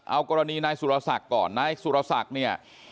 เอากรณีนายสุรศักดิ์ก่อนนายสุรศักดิ์เนี่ย